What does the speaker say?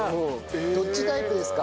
どっちタイプですか？